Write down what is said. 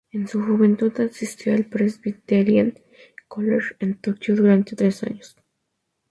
En su juventud, asistió al Presbyterian College en Tokio durante tres años.